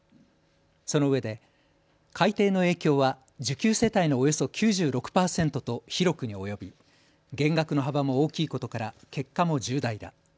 そのうえで改定の影響は受給世帯のおよそ９６％と広くに及び減額の幅も大きいことから結果も重大だ。